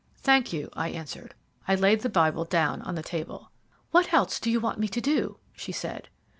"Thank you," I answered. I laid the Bible down on the table. "What else do you want me to do?" she said.